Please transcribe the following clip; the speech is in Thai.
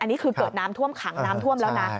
อันนี้คือเกิดน้ำท่วมขังน้ำท่วมแล้วนะ